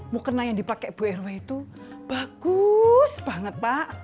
mukena yang dipakai bu erw itu bagus banget pak